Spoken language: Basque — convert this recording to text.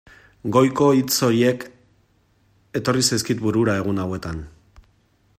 Goiko hitz horiek etorri zaizkit burura egun hauetan.